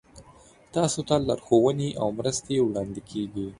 تاسو ته لارښوونې او مرستې وړاندې کیږي.